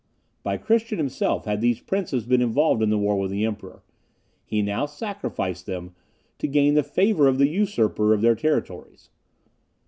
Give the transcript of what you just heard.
By Christian himself had these princes been involved in the war with the Emperor; he now sacrificed them, to gain the favour of the usurper of their territories.